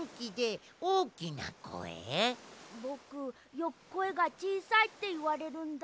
ぼくよくこえがちいさいっていわれるんだ。